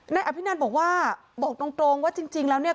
นายอภินันบอกว่าบอกตรงว่าจริงแล้วเนี่ย